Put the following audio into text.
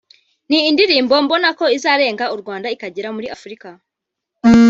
ni indirimbo mbonako izarenga u Rwanda ikagera muri Afrika